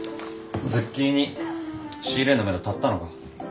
ズッキーニ仕入れのめど立ったのか？